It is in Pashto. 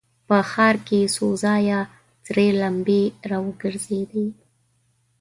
په ښار کې څو ځايه سرې لمبې را وګرځېدې.